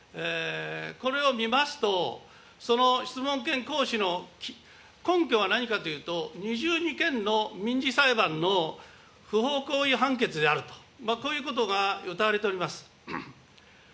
これを見ますと、質問権行使の根拠は何かというと、２２件の民事裁判の不法行為判決であると、こういうことがうたわれております。